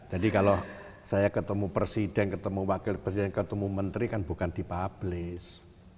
jadi kalau saya ketemu presiden ketemu wakil presiden ketemu menteri kan bukan di publis